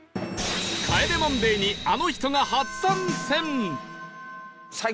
『帰れマンデー』にあの人が初参戦！